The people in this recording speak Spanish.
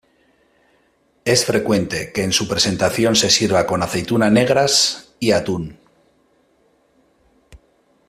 Es frecuente que en su presentación se sirva con aceituna negras y atún.